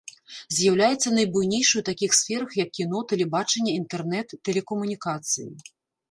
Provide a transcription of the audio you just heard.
З'яўляецца найбуйнейшай у такіх сферах, як кіно, тэлебачанне, інтэрнэт, тэлекамунікацыі.